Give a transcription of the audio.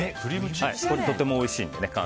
とてもおいしいので。